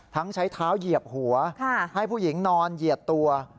ใช้เท้าเหยียบหัวให้ผู้หญิงนอนเหยียดตัว